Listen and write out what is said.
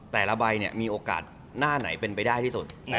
แต่ละใบมีโอกาสหน้าไหนเป็นไปได้ที่สุด